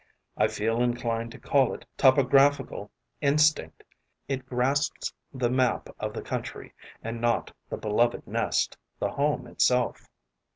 I feel inclined to call it topographical instinct: it grasps the map of the country and not the beloved nest, the home itself.